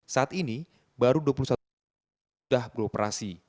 saat ini baru dua puluh satu titik sudah beroperasi